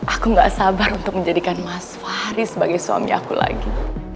aku gak sabar untuk menjadikan mas fahri sebagai suami aku lagi